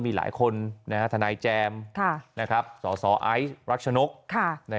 มีหลายคนนะครับทนายแจมค่ะสอสออ้ายรัชนุคค่ะนี่